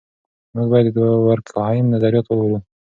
موږ باید د دورکهایم نظریات ولولو.